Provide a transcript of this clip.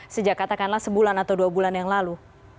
sejak katakanlah sebulan atau dua bulan yang lalu